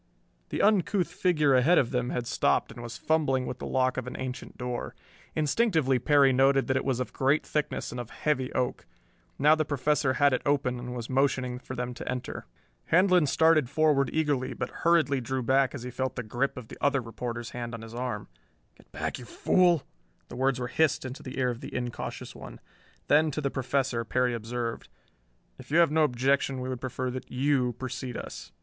The uncouth figure ahead of them had stopped and was fumbling with the lock of an ancient door. Instinctively Perry noted that it was of great thickness and of heavy oak. Now the Professor had it open and was motioning for them to enter. Handlon started forward eagerly, but hurriedly drew back as he felt the grip of the other reporter's hand on his arm. "Get back, you fool!" The words were hissed into the ear of the incautious one. Then, to the Professor, Perry observed: "If you have no objection we would prefer that you precede us."